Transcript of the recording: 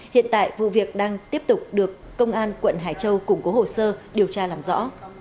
hiện tại vụ việc đang tiếp tục được công an quận hải châu củng cố hồ sơ điều tra làm rõ